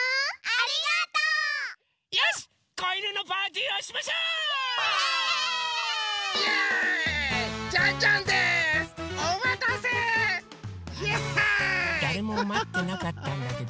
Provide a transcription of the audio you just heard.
あのだれもまってなかったんだけど。